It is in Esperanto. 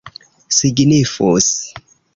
signifus